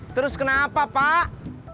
terus kenapa pak